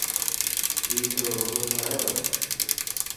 عيد رو وگو ٺارايو؟